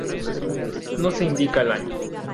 No se indica el año.